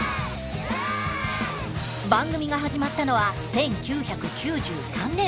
番組が始まったのは１９９３年。